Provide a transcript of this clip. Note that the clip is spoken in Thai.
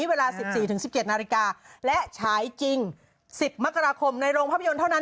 เวลาสิบสี่ถึงสิบเจ็ดนาฬิกาและฉายจริงสิบมกราคมในโรงภาพยนตร์เท่านั้น